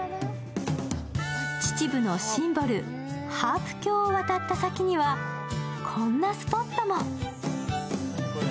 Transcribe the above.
秩父のシンボル、ハープ橋を渡った先にはこんなスポットも。